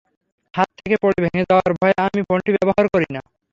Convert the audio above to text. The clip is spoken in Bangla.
হাত থেকে পড়ে ভেঙে যাওয়ার ভয়ে আমি ফোনটি ব্যবহার করি না।